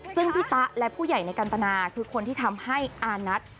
ซึ่งพี่ตะและผู้ใหญ่ในกันตนาคือคนที่ทำให้อานัท